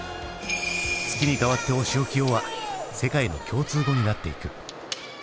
「月にかわっておしおきよ」は世界の共通語になっていく。